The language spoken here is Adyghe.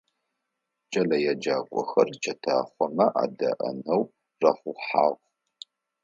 Кӏэлэеджакӏохэр чэтахъомэ адеӏэнэу рахъухьагъ.